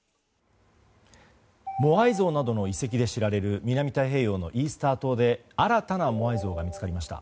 モアイ像などの遺跡で知られる南太平洋のイースター島で新たなモアイ像が見つかりました。